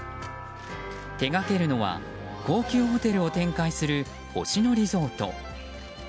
手がけるのは、高級ホテルを展開する星野リゾート。